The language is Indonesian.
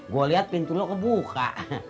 gue lihat pintu lo kebuka